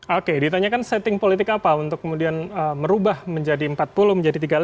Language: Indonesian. oke ditanyakan setting politik apa untuk kemudian merubah menjadi empat puluh menjadi tiga puluh